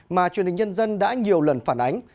mà truyền hình nhân dân đã nhiều lần phản ánh